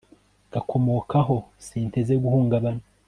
gakomokaho, sinteze guhungabana